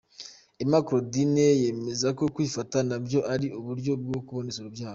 Emma Claudine yemeza ko kwifata nabyo ari uburyo bwo kuboneza urubyaro.